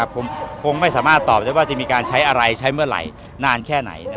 ผมคงไม่สามารถตอบได้ว่าจะมีการใช้อะไรใช้เมื่อไหร่นานแค่ไหน